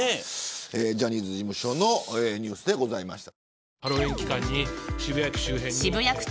ジャニーズ事務所のニュースでございました。